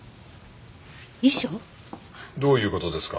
どういう事ですか？